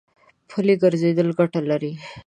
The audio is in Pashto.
پلي ګرځېدل ګټه لري.